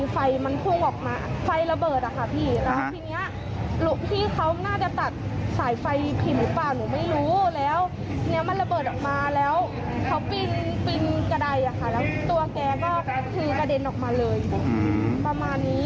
ไฟก็ลวบตัวแกหมดอะไรอย่างนี้